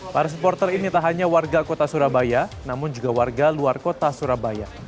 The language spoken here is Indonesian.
para supporter ini tak hanya warga kota surabaya namun juga warga luar kota surabaya